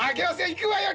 いくわよ。